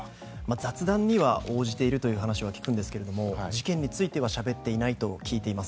雑談には応じているという話を聞いているんですが事件についてはしゃべっていないと聞いています。